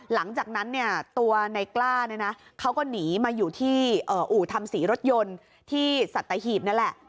หลังจากนั้นตัวในกล้าเขาก็หนีมาอยู่ที่อู่ธรรมศรีรถยนต์ที่สัตยหีบนั่นแหละ